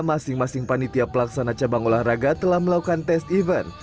masing masing panitia pelaksana cabang olahraga telah melakukan tes event